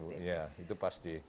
berdampak ibu ya itu pasti